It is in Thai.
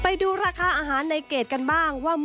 เป็นอย่างไรนั้นติดตามจากรายงานของคุณอัญชาฬีฟรีมั่วครับ